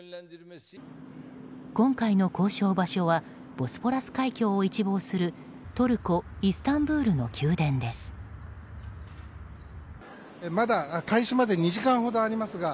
今回の交渉場所はボスポラス海峡を一望するトルコ・イスタンブールの宮殿です。